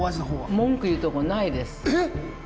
文句言うとこないですえっ？